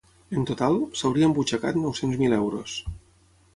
En total, s’hauria embutxacat nou-cents mil euros.